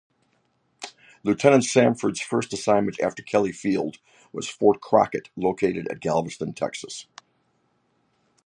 Lieutenant Samford's first assignment after Kelly Field was Fort Crockett located at Galveston, Texas.